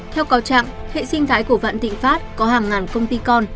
theo cáo trạng hệ sinh thái của vạn thịnh pháp có hàng ngàn công ty con